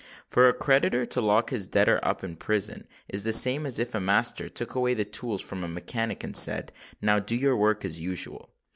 For a creditor to lock his debtor up in prison, is the same as if a master took away the tools from a mechanic and said, "Now do your work as usual."